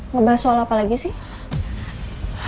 ngebahas soal apa lagi sih